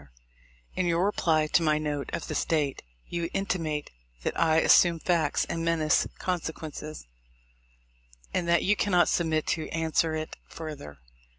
— In your reply to my note of this date, you intimate that I assume facts and menace con sequences, and that you cannot submit to answer it further.